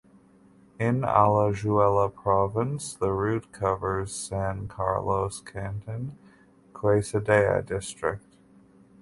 In Alajuela province the route covers San Carlos canton (Quesada district).